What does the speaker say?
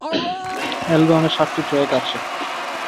অ্যালবামে সাতটি ট্র্যাক আছে।